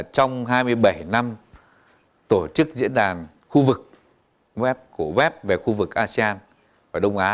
trong hai mươi bảy năm tổ chức diễn đàn của web về khu vực asean và đông á